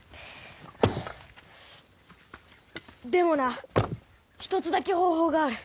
でもな１つだけ方法がある。